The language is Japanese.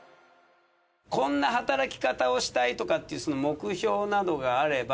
こんなはたらき方をしたいとかっていう目標などがあれば。